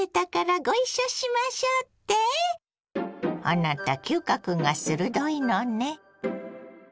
あなた嗅覚が鋭いのね。